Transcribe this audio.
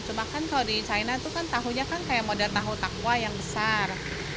cuma kan kalau di china itu kan tahunya kan kayak model tahu takwa yang besar